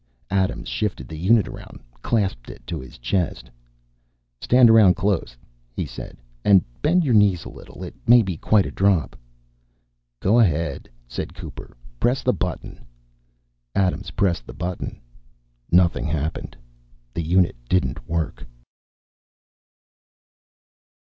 Adams shifted the unit around, clasped it to his chest. "Stand around close," he said, "and bend your knees a little. It may be quite a drop." "Go ahead," said Cooper. "Press the button." Adams pressed the button. Nothing happened. The unit didn't work.